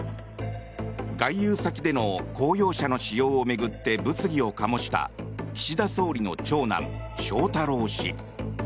外遊先での公用車の使用を巡って物議を醸した岸田総理の長男・翔太郎氏。